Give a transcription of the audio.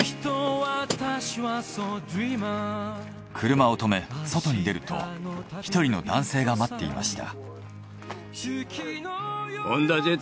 車を止め外に出ると１人の男性が待っていました。